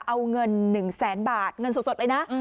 เอาเงิน๑แสนบาทเงินสดเลยนะ